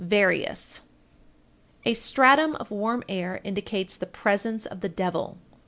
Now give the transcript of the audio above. _ VARIOUS. 1464. A stratum of warm air indicates the presence of the devil.